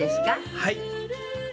はい。